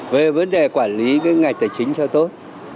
về vấn đề quản lý cái ngành tài chính cho tốt